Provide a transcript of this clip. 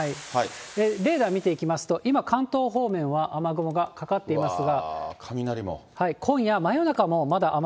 レーダー見ていきますと、今、関東方面は雨雲がかかっていますが。